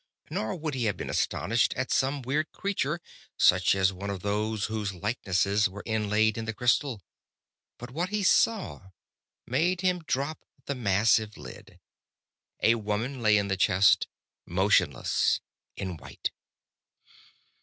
Nor would he have been astonished at some weird creature such as one of those whose likenesses were inlaid in the crystal. But what he saw made him drop the massive lid. A woman lay in the chest motionless, in white.